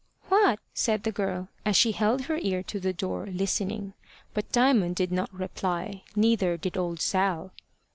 "What?" said the girl, as she held her ear to the door listening. But Diamond did not reply. Neither did old Sal.